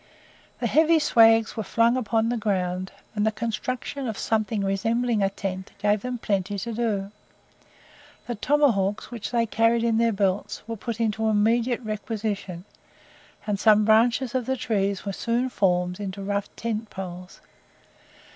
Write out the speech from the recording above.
The heavy "swags" were flung upon the ground, and the construction of something resembling a tent gave them plenty to do; the tomahawks, which they carried in their belts, were put into immediate requisition, and some branches of the trees were soon formed into rough tent poles.